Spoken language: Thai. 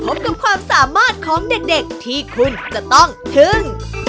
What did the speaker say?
พบกับความสามารถของเด็กที่คุณต้องถึง